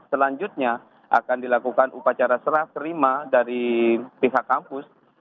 selanjutnya akan dilakukan upacara serah terima dari pihak kampus